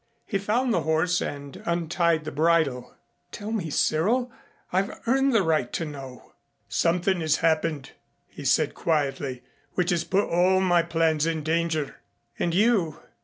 He found the horse and untied the bridle. "Tell me, Cyril. I've earned the right to know." "Something has happened," he said quietly, "which has put all my plans in danger " "And you?"